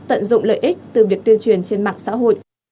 tận dụng lợi ích từ việc tiêu chuyển trên mạng xã hội